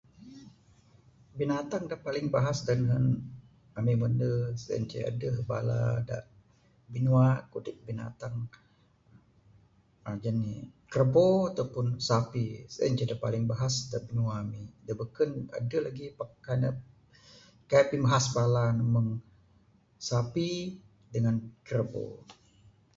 Binatang da paling bahas da nehen ami mende sien ce deh bala binua kudip binatang krabo ato pun sapi sien ce da paling bahas da bnua Ami da beken adeh lagih. Kan kaik pimahas bala ne meng sapi dangan krabo.